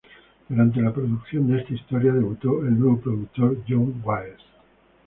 Durante la producción de esta historia debutó el nuevo productor, John Wiles.